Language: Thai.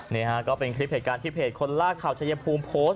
นี่ฮะก็เป็นคลิปเหตุการณ์ที่เพจคนล่าข่าวชายภูมิโพสต์